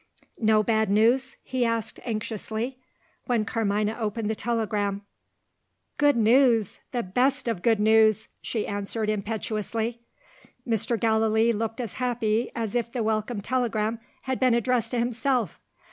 "No bad news?" he asked anxiously, when Carmina opened the telegram. "Good news! the best of good news!" she answered impetuously. Mr. Gallilee looked as happy as if the welcome telegram had been addressed to himself.